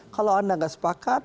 kalau anda gak sepakat